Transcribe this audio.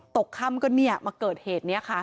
ตกค่ำก็มาเกิดเหตุนี้ค่ะ